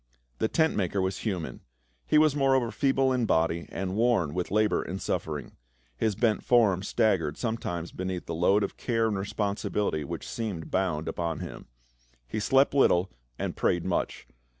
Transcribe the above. The tent maker was human. He was moreover feeble in body and worn with labor and suffering ; his bent form staggered sometimes beneath the load of care and responsibility which seemed bound upon him. He slept little and prayed much.